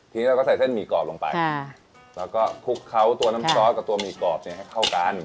ทีนี้เราก็ใส่เส้นหมี่กรอบลงไปแล้วก็คลุกเขาตัวน้ำซอสกับตัวหมี่กรอบเนี่ยให้เข้ากัน